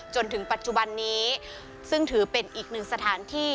จนถึงปัจจุบันนี้ซึ่งถือเป็นอีกหนึ่งสถานที่